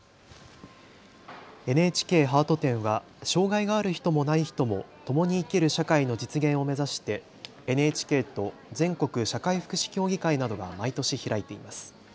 ＮＨＫハート展は障害がある人もない人もともに生きる社会の実現を目指してＮＨＫと全国社会福祉協議会などが毎年開いています。